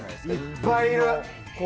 いっぱいいる。